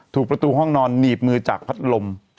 ประตูห้องนอนหนีบมือจากพัดลม